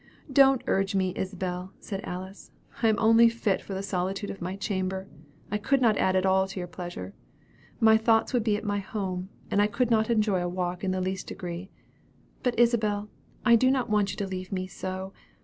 "Don't urge me, Isabel," said Alice; "I am only fit for the solitude of my chamber. I could not add at all to your pleasure. My thoughts would be at my home, and I could not enjoy a walk in the least degree. But Isabel, I do not want you to leave me so.